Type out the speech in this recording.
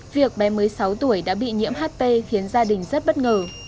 việc bé mới sáu tuổi đã bị nhiễm hp khiến gia đình rất bất ngờ